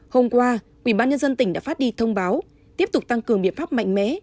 hôm qua ủy ban nhân dân tỉnh đã phát đi thông báo tiếp tục tăng cường biện pháp mạnh mẽ